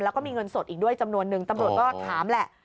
แล้วก็มีเงินสดอีกด้วยจำนวนนึงตำรวจก็ถามแหละ